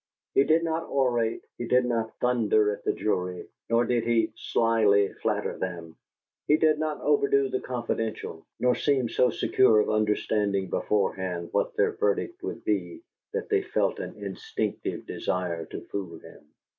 He did not orate, he did not "thunder at the jury," nor did he slyly flatter them; he did not overdo the confidential, nor seem so secure of understanding beforehand what their verdict would be that they felt an instinctive desire to fool him.